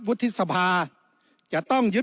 แต่การเลือกนายกรัฐมนตรี